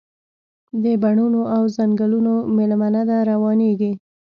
د بڼوڼو او ځنګلونو میلمنه ده، روانیږي